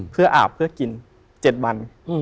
เพื่ออาบเพื่อกิน๗วัน